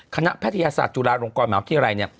คณะแพทยาศาสตร์จุฬาลงกรหมายความว่าที่อะไรเนี่ย